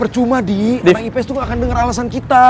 cuma di anak ips tuh gak akan denger alasan kita